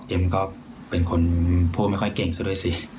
เอ็มก็เป็นคนพูดไม่ค่อยเก่งซะเลยสิ